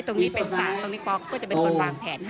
ตรงนี้เป็นศาลตรงนี้ป๊อกก็จะเป็นคนวางแผนให้